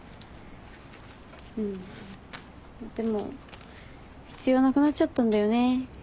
うんでも必要なくなっちゃったんだよね。